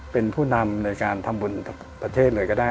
เป็นผู้นำในการทำบุญประเทศเลยก็ได้